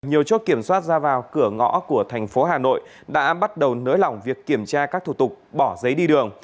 nhiều chốt kiểm soát ra vào cửa ngõ của thành phố hà nội đã bắt đầu nới lỏng việc kiểm tra các thủ tục bỏ giấy đi đường